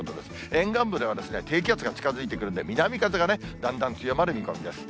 沿岸部では低気圧が近づいてくるんで、南風がだんだん強まる見込みです。